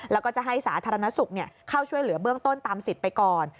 แล้วก็จะให้สาธารณสุขเข้าช่วยเหลือเบื้องต้นตามสิทธิ์ไปก่อน